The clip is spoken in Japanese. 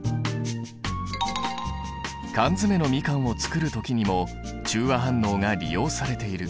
缶詰のみかんを作る時にも中和反応が利用されている。